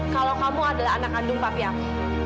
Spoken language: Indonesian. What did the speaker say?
kalau kamu adalah anak kandung papi aku